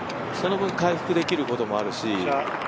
その分、回復できることもあるし